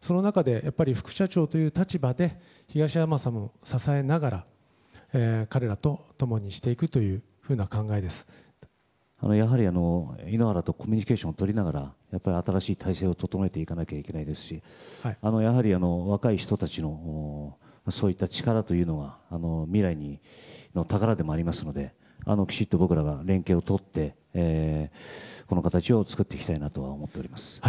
その中で、副社長という立場で東山さんを支えながら彼らと共にしていくコミュニケーションをとりながら新しい体制を整えていかなければいけないですしやはり、若い人たちのそういった力というのは未来の宝でもありますのできちんと僕らが連携を取ってこういう形を作っていきたいと思います。